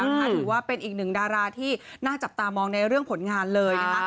ถือว่าเป็นอีกหนึ่งดาราที่น่าจับตามองในเรื่องผลงานเลยนะคะ